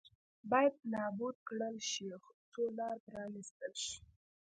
باید نابود کړل شي څو لار پرانېستل شي.